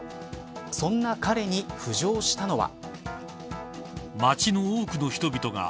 そんな彼に浮上したのは。